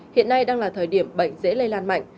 hiện nay đang là thời điểm bệnh dễ lây lan mạnh